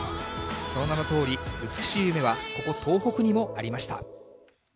その名のとおり、美しい夢は、ここ東北にもありました。